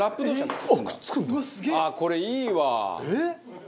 ああこれいいわ！